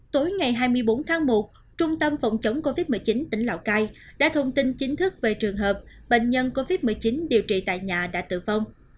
tối ngày hai mươi bốn tháng một trung tâm phòng chống covid một mươi chín tỉnh lào cai đã thông tin chính thức về trường hợp bệnh nhân covid một mươi chín điều trị tại nhà đã tử vong